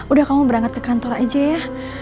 udah kamu berangkat ke kantor aja ya